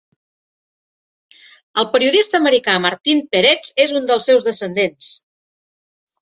El periodista americà Martin Peretz és un dels seus descendents.